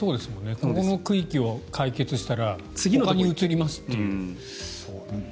ここの区域を解決したらほかに移りますという。